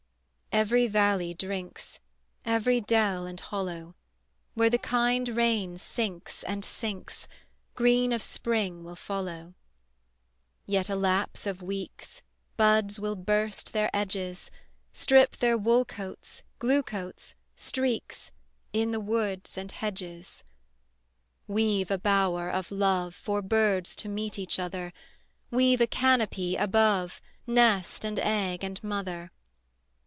Every valley drinks, Every dell and hollow: Where the kind rain sinks and sinks, Green of Spring will follow. Yet a lapse of weeks Buds will burst their edges, Strip their wool coats, glue coats, streaks, In the woods and hedges; Weave a bower of love For birds to meet each other, Weave a canopy above Nest and egg and mother.